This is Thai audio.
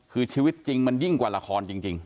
คือชีวิตจริงมันยิ่งกว่าละครจริง